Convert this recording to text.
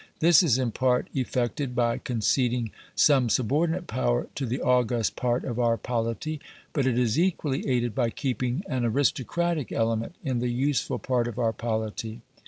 This is in part effected by conceding some subordinate power to the august part of our polity, but it is equally aided by keeping an aristocratic element in the useful part of our polity.